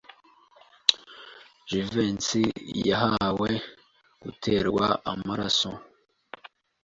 Jivency yahawe guterwa amaraso.